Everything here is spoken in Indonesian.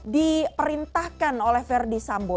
diperintahkan oleh verdi sambo